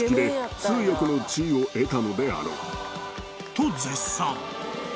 ［と絶賛］